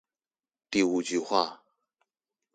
第五句話